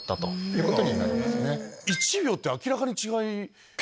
１秒って明らかに違いますよ。